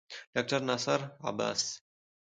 ډاکټر ناصر عباس